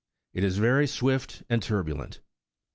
It is very swift and turbulent.